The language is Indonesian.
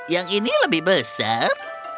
yang ini lebih besar